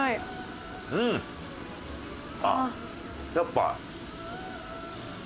あっやっぱ。